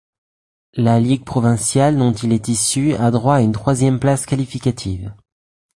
La ligue provinciale dont il est issu a droit à une troisième place qualificative.